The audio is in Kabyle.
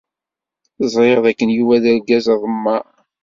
Ẓriɣ dakken Yuba d argaz aḍemmaɛ.